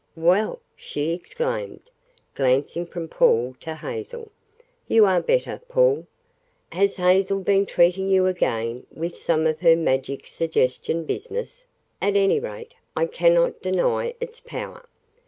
"Well!" she exclaimed, glancing from Paul to Hazel. "You are better, Paul. Has Hazel been treating you again with some of her magic suggestion business? At any rate, I cannot deny its power."